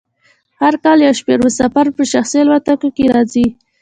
هر کال یو شمیر مسافر په شخصي الوتکو کې راځي